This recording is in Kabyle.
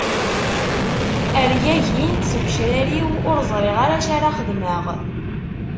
Rgagint tgecrar-iw ur ẓriɣ ara acu ara xedmeɣ.